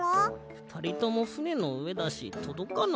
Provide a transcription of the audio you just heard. ふたりともふねのうえだしとどかないよ。